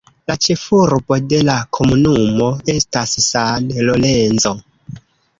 La ĉefurbo de la komunumo estas San Lorenzo.